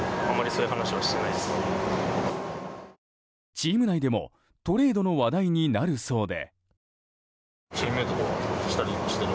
チーム内でもトレードの話題になるそうで。